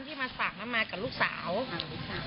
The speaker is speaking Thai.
หมายถึงตอนมารับใช่มั้ย